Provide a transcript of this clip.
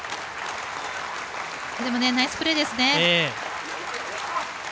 これもナイスプレーですね。